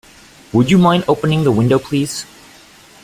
Would you mind opening the window, please?